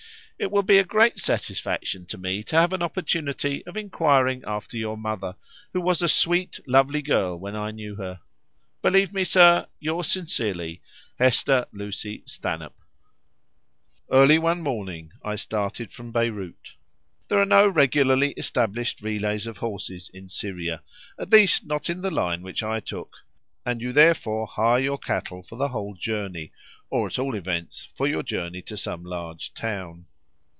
"It will be a great satisfaction to me to have an opportunity of inquiring after your mother, who was a sweet, lovely girl when I knew her. "Believe me, sir, "Yours sincerely, "HESTER LUCY STANHOPE." Early one morning I started from Beyrout. There are no regularly established relays of horses in Syria, at least not in the line which I took, and you therefore hire your cattle for the whole journey, or at all events, for your journey to some large town.